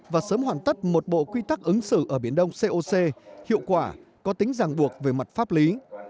và sớm hoàn tất một bộ quy tắc ứng xử ở biển đông coc hiệu quả có tính giảng buộc về mặt pháp lý